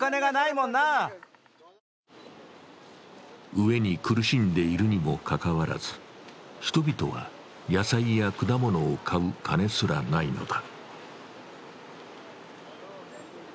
飢えに苦しんでいるにもかかわらず人々は野菜や果物を買う金すらないのだ。